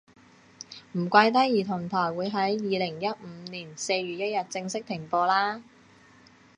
唔怪得兒童台會喺二零一五年四月一日正式停播啦